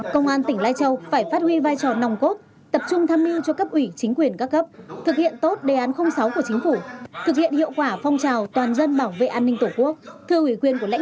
công an tỉnh lai châu phải phát huy vai trò nòng cốt tập trung tham mưu cho cấp ủy chính quyền các cấp thực hiện tốt đề án sáu của chính phủ thực hiện hiệu quả phong trào toàn dân bảo vệ an ninh tổ quốc